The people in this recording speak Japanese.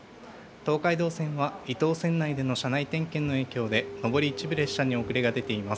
東海道線は伊東線内での社内点検の影響で、上り一部列車に遅れが出ています。